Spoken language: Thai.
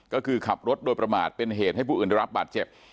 ก็คือขับรถโดยประมาทเป็นเหตุให้ผู้อื่นได้รับบาดเจ็บ